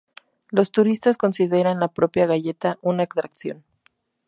Los turistas consideran la propia galleta una atracción.